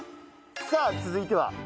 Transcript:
さあ続いては？